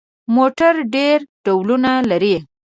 موټر ډېر ډولونه لري.